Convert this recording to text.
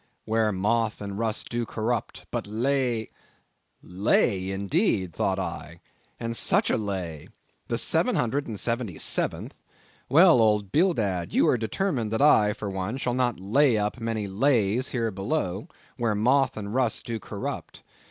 —'where moth and rust do corrupt, but lay—'" Lay, indeed, thought I, and such a lay! the seven hundred and seventy seventh! Well, old Bildad, you are determined that I, for one, shall not lay up many lays here below, where moth and rust do corrupt.